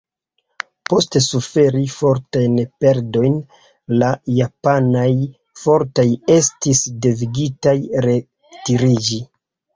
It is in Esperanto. Post suferi fortajn perdojn, la japanaj fortoj estis devigitaj retiriĝi.